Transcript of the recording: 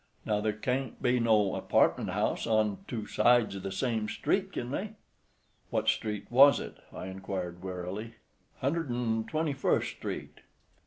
Now there can't be no apartment house on two sides of the same street, kin they?" "What street was it?" I inquired, wearily. "Hundred 'n' twenty first street."